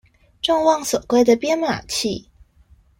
眾望所歸的編碼器